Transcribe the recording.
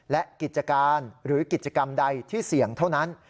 และกิจการหรือกิจกรรมใดที่เสี่ยงเท่านั้น